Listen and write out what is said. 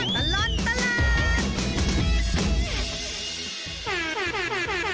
ช่วงตลอดประหลาด